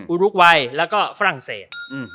อุรุกวัยแล้วก็ฝรั่งเศส